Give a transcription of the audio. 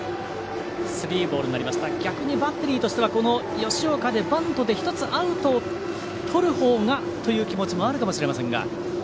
逆にバッテリーとしてはこの吉岡でバントで１つアウトをとるほうがという気持ちもあるかもしれませんが。